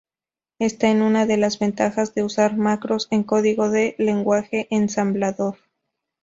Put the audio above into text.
Ésta es una de las ventajas de usar macros en código de lenguaje ensamblador.